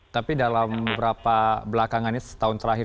tapi dalam beberapa belakangannya setahun terakhir